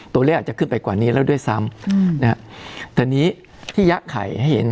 ตัวเลขอาจจะขึ้นไปกว่านี้แล้วด้วยซ้ำนะฮะแต่นี้ที่ยะไข่ให้เห็น